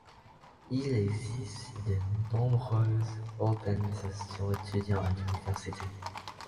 Il existe de nombreuses organisations étudiantes à l'université.